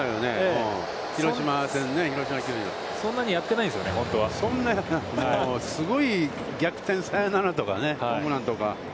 そんなにやってないんですよね、本当は、すごい逆転サヨナラとかね、ホームランとか。